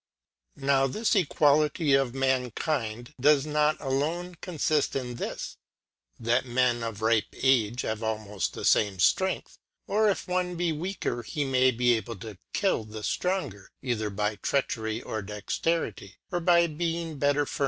^^* Now this Equality of Mankind does not a 11.^ lone confift in this, that Menof ripe Age have al 'f^herein moft the fame Strength^ or if one be weaker, ^^'^^^^ he may be able to kill the flronger, either by lonfifti, "Treachery^ or Dexterity^ or by being better fur L.